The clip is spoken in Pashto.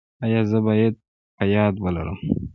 ایا زه باید په یاد ولرم؟